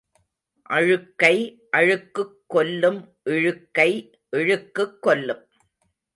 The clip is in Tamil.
அழுக்கை அழுக்குக் கொல்லும் இழுக்கை இழுக்குக் கொல்லும்.